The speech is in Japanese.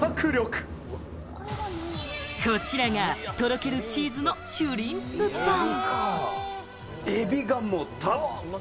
こちらが、とろけるチーズのシュリンプぱん！！